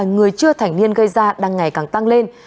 người chưa thành niên gây ra đang ngày càng tăng lên